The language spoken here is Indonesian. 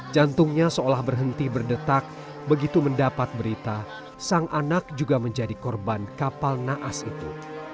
jantungnya seolah berhenti berdetak begitu mendapat berita sang anak juga menjadi korban kapal naas itu